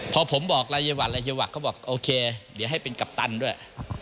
พอผมบอกรายวัตรรายวักเขาบอกโอเคเดี๋ยวให้เป็นกัปตันด้วย